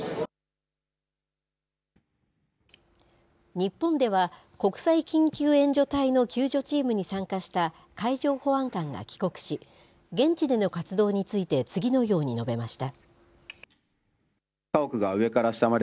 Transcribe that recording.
日本では、国際緊急援助隊の救助チームに参加した海上保安官が帰国し、現地での活動について次のように述べました。